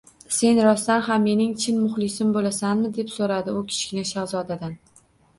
— Sen rostdan ham mening chin muxlisim bo‘lasanmi? — deb so‘radi u Kichkina shahzodadan.